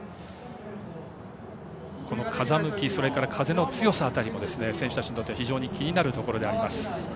この風向き風の強さ辺りも選手たちにとっては非常に気になるところです。